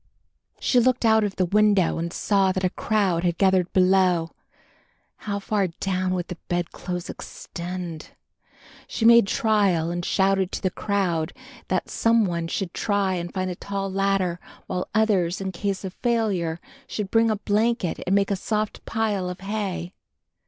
She looked out of the window and saw that a crowd had gathered below. How far down would the bedclothes extend? She made trial and shouted to the crowd that some one should try and find a tall ladder, while others, in case of failure, should bring a blanket and make a soft pile of hay.